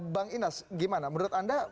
bang inas gimana menurut anda